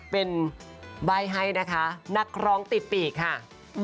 เป็นใบ้ให้นะคะนักร้องติดปีกค่ะ